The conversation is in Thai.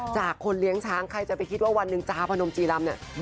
คนเลี้ยงช้างใครจะไปคิดว่าวันหนึ่งจาพนมจีรำเนี่ย